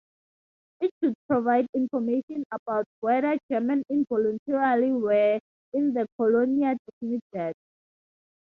It should provide information about whether German involuntarily were in the Colonia Dignidad.